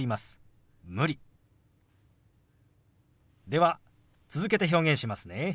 では続けて表現しますね。